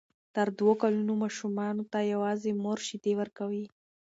تر دوو کلونو ماشومانو ته یوازې مور شیدې ورکړئ.